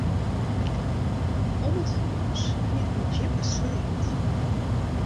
Om it hús wie in djippe sleat.